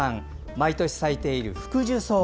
毎年咲いている福寿草。